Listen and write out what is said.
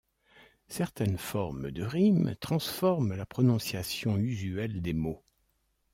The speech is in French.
Certaines formes de rimes transforment la prononciation usuelle des mots.